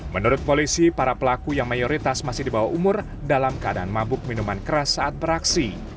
menurut polisi para pelaku yang mayoritas masih di bawah umur dalam keadaan mabuk minuman keras saat beraksi